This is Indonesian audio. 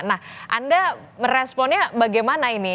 nah anda meresponnya bagaimana ini